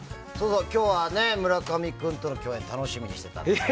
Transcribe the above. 今日は村上君との共演楽しみにしてたんだよね。